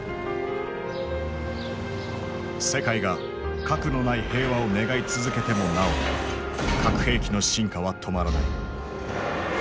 世界が核のない平和を願い続けてもなお核兵器の進化は止まらない。